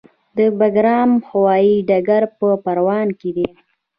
د بګرام هوايي ډګر په پروان کې دی